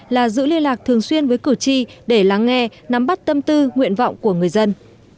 là giữ liên lạc thường xuyên với cử tri để lắng nghe nắm bắt tâm tư nguyện vọng của người dân